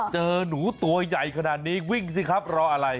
เจอหนูตัวใหญ่ขนาดนี้วิ่งสิครับรออะไร